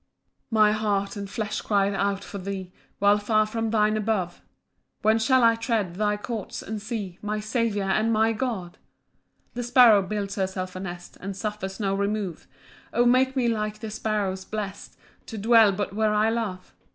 PAUSE. 5 My heart and flesh cry out for thee, While far from thine abode: When shall I tread thy courts, and see My Saviour and my God? 6 The sparrow builds herself a nest, And suffers no remove; O make me like the sparrows, blest, To dwell but where I love.